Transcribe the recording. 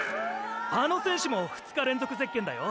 あの選手も２日連続ゼッケンだよ。